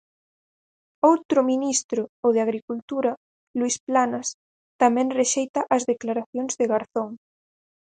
Outro ministro, o de Agricultura, Luís Planas, tamén rexeita as declaracións de Garzón.